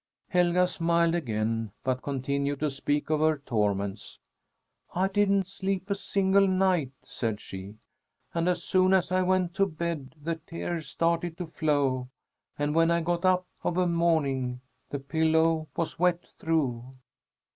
Helga smiled again, but continued to speak of her torments. "I didn't sleep a single night," said she, "and as soon as I went to bed, the tears started to flow, and when I got up of a morning, the pillow was wet through.